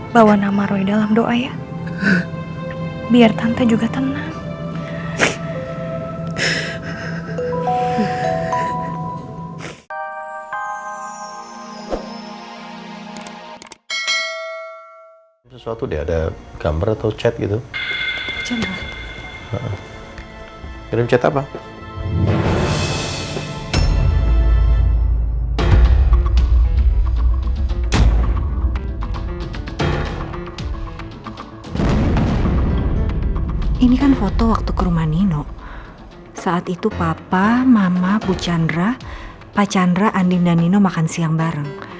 bapak mama bu chandra pak chandra andin dan nino makan siang bareng